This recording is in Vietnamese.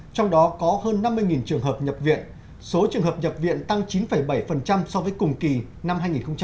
trong đó có hơn năm mươi trường hợp nhập viện số trường hợp nhập viện tăng chín bảy so với cùng kỳ năm hai nghìn một mươi chín